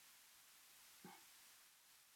Nola ospatu du garaipena?